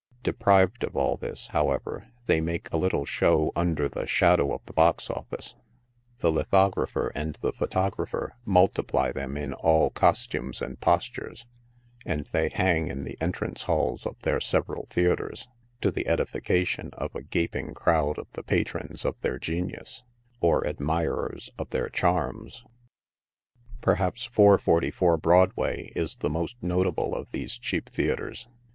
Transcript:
De prived of all this, however, they make a little " show ' under the shadow of the box office ; the lithographer and the photographer multiply them in all costumes and postures, and they hang in the entrance halls of their several theatres, to the edification of a gaping crowd of the patrons of their genius, or admirers of their charms. Perhaps 444 Broadway is the most notable of these cheap theatres.